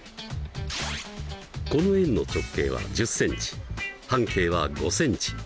この円の直径は１０ｃｍ半径は５ｃｍ。